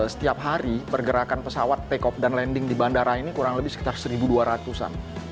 setiap hari pergerakan pesawat take off dan landing di bandara ini kurang lebih sekitar satu dua ratus an